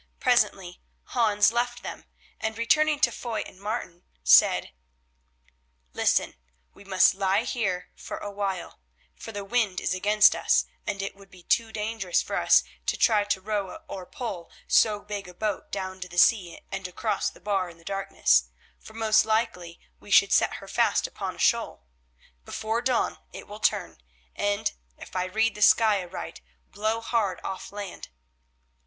Presently Hans left them, and, returning to Foy and Martin, said: "Listen: we must lie here a while, for the wind is against us, and it would be too dangerous for us to try to row or pole so big a boat down to the sea and across the bar in the darkness, for most likely we should set her fast upon a shoal. Before dawn it will turn, and, if I read the sky aright, blow hard off land."